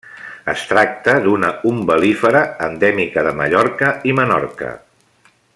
Es tracta d'una umbel·lífera endèmica de Mallorca i Menorca.